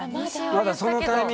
まだそのタイミングでも。